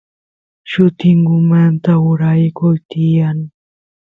llutingumanta uraykuy tiyan